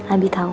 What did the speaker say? abi tau gak